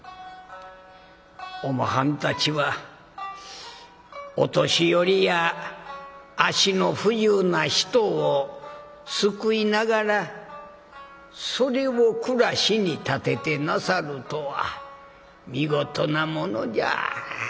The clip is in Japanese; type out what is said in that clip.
おまはんたちはお年寄りや足の不自由な人を救いながらそれを暮らしに立ててなさるとは見事なものじゃ。